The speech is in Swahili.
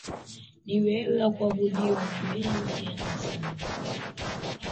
Ni wewe wa kuabudiwa ni wewe tena sana.